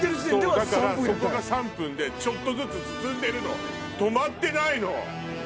だからそこが３分でちょっとずつ進んでるの止まってないの。